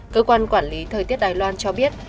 cơ quan quản lý thời tiết đài loan cho biết